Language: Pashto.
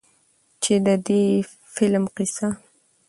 چې د دې فلم قيصه